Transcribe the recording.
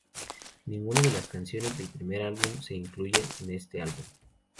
Ninguna de las canciones del primer álbum se incluyen en este álbum.